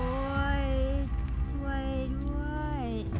โอ๋ยช่วยด้วย